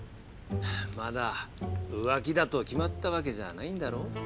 まだ浮気だと決まったわけじゃないんだろう？